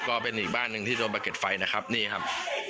ก็เป็นอีกบ้านหนึ่งที่โดนมาเก็บไฟนี่ครับ